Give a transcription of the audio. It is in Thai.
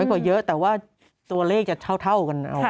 กว่าเยอะแต่ว่าตัวเลขจะเท่ากัน